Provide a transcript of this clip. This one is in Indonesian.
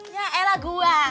ya elah gue